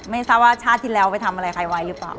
ไม่ทราบว่าชาติที่แล้วไปทำอะไรใครไว้หรือเปล่า